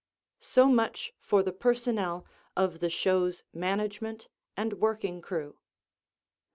So much for the personnel of the show's management and working crew.